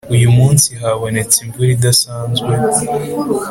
Uyu munsi habonetse imvura idasanzwe